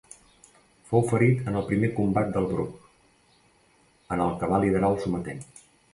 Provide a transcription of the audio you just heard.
Fou ferit en el primer combat del Bruc, en el que va liderar el sometent.